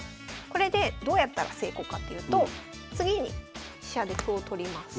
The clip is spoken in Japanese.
これでどうやったら成功かっていうと次に飛車で歩を取ります。